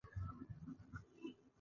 ایا ستاسو درې به ښکلې وي؟